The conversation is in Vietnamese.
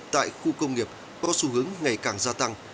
tại khu công nghiệp có xu hướng ngày càng gia tăng